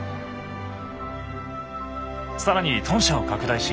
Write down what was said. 更に豚舎を拡大し。